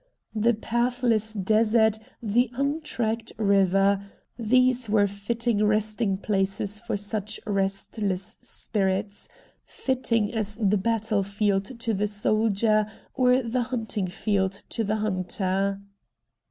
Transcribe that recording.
The pathless desert, the untracked river, these were fitting resting places for such restless spirits — fitting as the battle field to the soldier or the hunting field to the hunter.